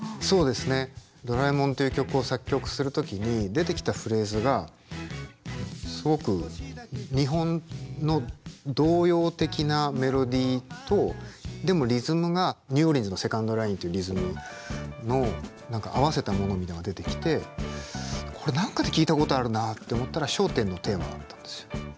そうですね「ドラえもん」っていう曲を作曲する時に出てきたフレーズがすごく日本の童謡的なメロディーとでもリズムがニューオリンズのセカンド・ラインっていうリズムの何か合わせたものみたいなのが出てきてこれ何かで聴いたことあるなって思ったら「笑点のテーマ」だったんですよ。